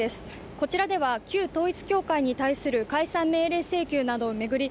こちらでは旧統一教会に対する解散命令請求などを巡り